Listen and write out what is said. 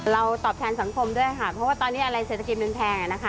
ตอบแทนสังคมด้วยค่ะเพราะว่าตอนนี้อะไรเศรษฐกิจมันแพงอ่ะนะคะ